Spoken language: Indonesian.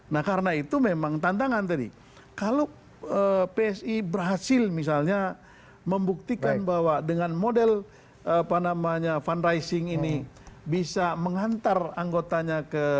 nah karena itu memang tantangan tadi kalau psi berhasil misalnya membuktikan bahwa dengan model fundraising ini bisa menghantar anggotanya ke